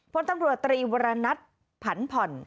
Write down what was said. พลตำรวจตรีวรณัทผันผ่อน